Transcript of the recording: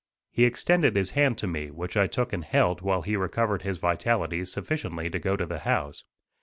He extended his hand to me, which I took and held while he recovered his vitality sufficiently to go to the house.